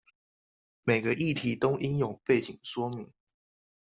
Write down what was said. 每個議題都應有背景說明